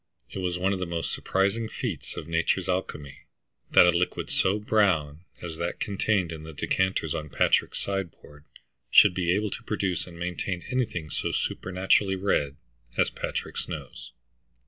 It was one of the most surprising feats of nature's alchemy that a liquid so brown as that contained in the decanters on Patrick's sideboard should be able to produce and maintain anything so supernaturally red as Patrick's nose.